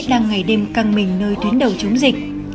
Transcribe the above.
đang ngày đêm căng mình nơi tuyến đầu chống dịch